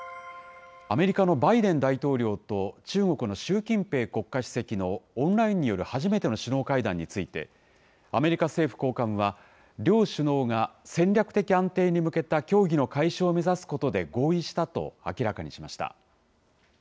アメリカのバイデン大統領と中国の習近平国家主席のオンラインによる初めての首脳会談について、アメリカ政府高官は、両首脳が戦略的安定に向けた協議の開始を目指すことで合意したと明らかにしました。